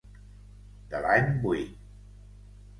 De l'any vuit.